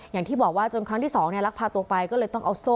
อย่างที่บอกว่าจนครั้งที่๒ลักพาตัวไปก็เลยต้องเอาโซ่